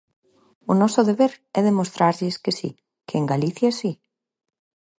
O noso deber é demostrarlles que si, que en Galicia si.